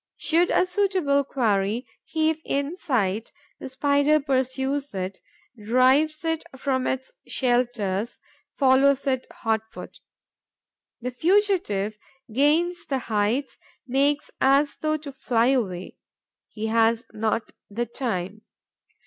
Should a suitable quarry heave in sight, the Spider pursues it, drives it from its shelters, follows it hot foot. The fugitive gains the heights, makes as though to fly away. He has not the time.